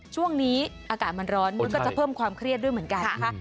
ช่วงนี้อากาศมันร้อนมันก็จะเพิ่มความเครียดด้วยเหมือนกันนะคะ